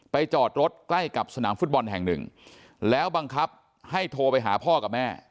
จอดรถใกล้กับสนามฟุตบอลแห่งหนึ่งแล้วบังคับให้โทรไปหาพ่อกับแม่